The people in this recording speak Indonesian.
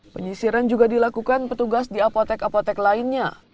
penyisiran juga dilakukan petugas di apotek apotek lainnya